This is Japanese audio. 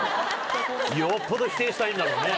よっぽど否定したいんだろうね。